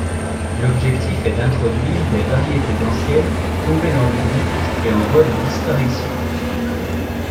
L'objectif est d'introduire des variétés anciennes tombées dans l'oubli et en voie de disparition.